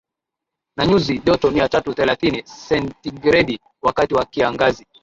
na nyuzi joto mia tatu thelathini sentigredi wakati wa kiangazi